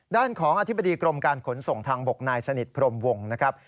ด้านของอธิบดีกรมการขนส่งทางบกนายสนิทพรมวงนะครับ